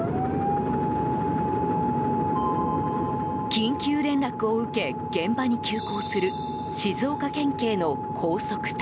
緊急連絡を受け現場に急行する静岡県警の高速隊。